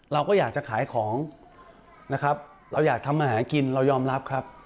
เราก็อยากจะขายของนะครับเราอยากทำอาหารกินเรายอมรับครับ